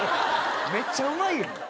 めっちゃうまいやん。